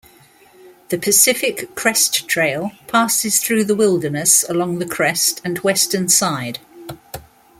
The Pacific Crest Trail passes through the wilderness along the crest and western side.